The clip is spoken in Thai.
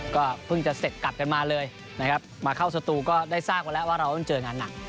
ก็เพิ่งจะเสร็จกลับกันมาเลยนะครับมาเข้าสตูก็ได้ทราบมาแล้วว่าเราต้องเจองานหนัก